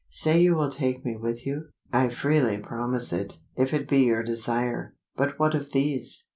Say you will take me with you?" "I freely promise it, if it be your desire. But what of these?